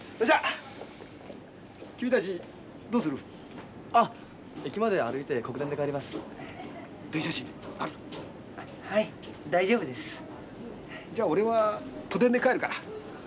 じゃ俺は都電で帰るから。